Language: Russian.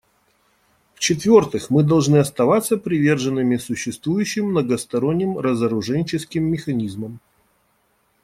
В-четвертых, мы должны оставаться приверженными существующим многосторонним разоруженческим механизмам.